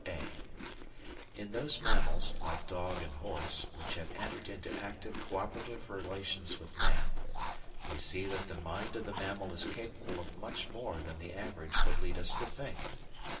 (a) In those mammals, like dog and horse, which have entered into active cooperative relations with man, we see that the mind of the mammal is capable of much more than the average would lead us to think.